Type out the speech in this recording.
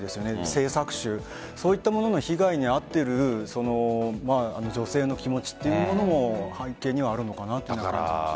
性搾取そういったものの被害に遭っている女性の気持ちというものも背景にはあるのかなと思います。